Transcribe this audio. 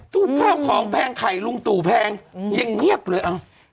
ตู้ข้าวของแพงไข่ลุงตู่แพงยังเงียบเลย